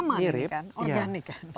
aman ini kan organik kan